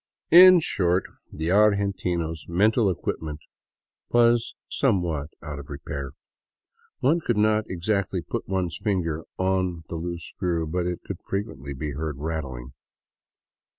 In short the argentino's mental equipment was somewhat out of re pair. One could not exactly put one's finger on the loose screw, but it could frequently be heard rattling.